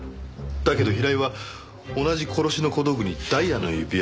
だけど平井は同じ殺しの小道具にダイヤの指輪を買ってる。